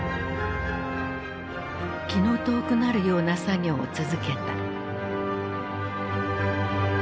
気の遠くなるような作業を続けた。